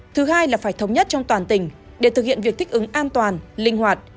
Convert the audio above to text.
thứ hai là phải thống nhất trong toàn tỉnh để thực hiện việc thích ứng an toàn linh hoạt